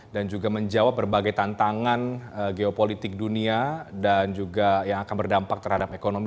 dan juga menjawab berbagai tantangan geopolitik dunia dan juga yang akan berdampak terhadap ekonomi